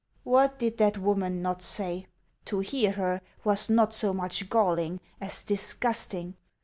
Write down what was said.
What did that woman not say? To hear her was not so much galling as disgusting.